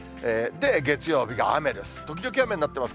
月曜日が雨です。